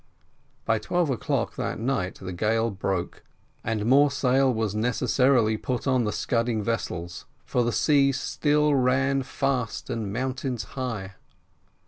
By twelve o'clock that night the gale broke, and more sail was necessarily put on the scudding vessel, for the sea still ran fast and mountains high.